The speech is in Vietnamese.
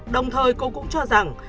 đồng thời cô cũng cho rằng